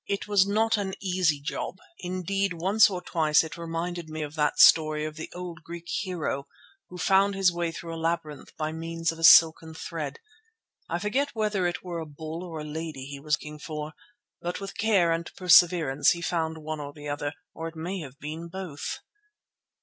It was not an easy job; indeed once or twice it reminded me of that story of the old Greek hero who found his way through a labyrinth by means of a silken thread. I forget whether it were a bull or a lady he was looking for, but with care and perseverance he found one or the other, or it may have been both.